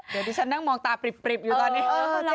เดี๋ยวที่ฉันนั่งมองตาปริบอยู่ตอนนี้